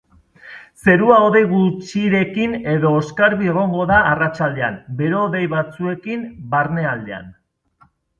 Zerua hodei gutxirekin edo oskarbi egongo da arratsaldean, bero-hodei batzuekin barnealdean.